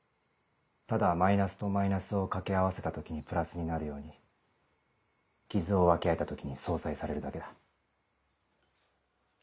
ただマイナスとマイナスを掛け合わせた時にプラスになるように傷を分け合えた時に相殺されるだけだ。